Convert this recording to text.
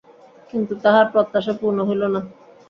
কিন্তু তাহার প্রত্যাশা পূর্ণ হইল না।